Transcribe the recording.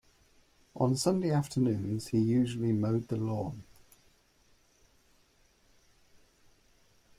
On Sunday afternoons he usually mowed the lawn.